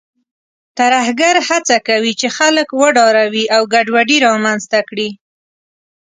ترهګر هڅه کوي چې خلک وډاروي او ګډوډي رامنځته کړي.